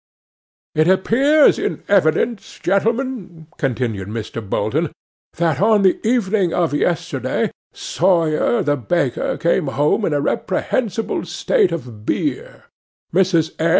'It appears in evidence, gentlemen,' continued Mr. Bolton, 'that, on the evening of yesterday, Sawyer the baker came home in a reprehensible state of beer. Mrs.